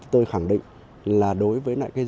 tôi khẳng định là đối với dây chuyển